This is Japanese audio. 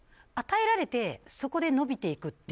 与えられて、そこで伸びていく。